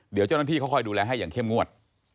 เดี๋ยวเจ้าหน้าที่เขาคอยดูแลให้อย่างเข้มงวด